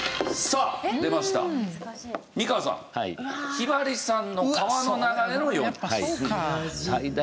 ひばりさんの『川の流れのように』。